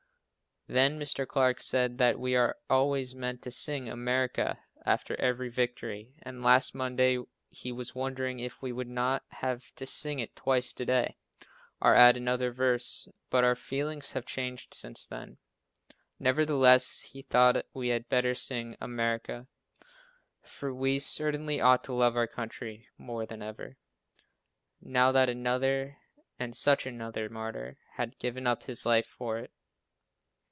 Then, Mr. Clarke said that we always meant to sing "America," after every victory, and last Monday he was wondering if we would not have to sing it twice to day, or add another verse, but our feelings have changed since then. Nevertheless he thought we had better sing "America," for we certainly ought to love our country more than ever, now that another, and such another, martyr, had given up his life for it.